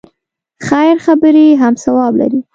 خیر خبرې هم ثواب لري.